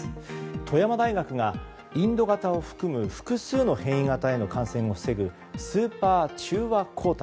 富山大学がインド型を含む複数の変異型への感染を防ぐスーパー中和抗体。